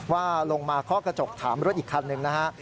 ว่าลงมาเคาะกระจกถามรถอีกคันหนึ่งนะฮะ